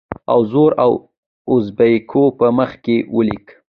اوو زرو اوزبیکو په مخ کې ولیک.